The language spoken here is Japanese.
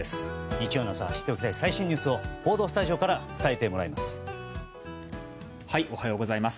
日曜の朝知っておきたい最新ニュースを報道スタジオから伝えてもらいます。